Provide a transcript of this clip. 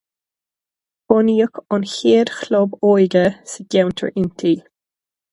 Bunaíodh an chéad chlub óige sa gceantar inti.